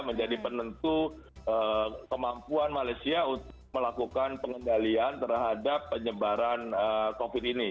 menjadi penentu kemampuan malaysia untuk melakukan pengendalian terhadap penyebaran covid ini